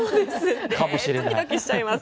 ドキドキしちゃいます。